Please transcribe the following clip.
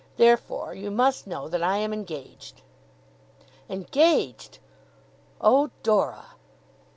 Therefore you must know that I am engaged.' Engaged! Oh, Dora!